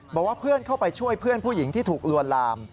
บอกว่าเพื่อนเข้าไปช่วยเพื่อนผู้หญิงที่ถูกลวนลาม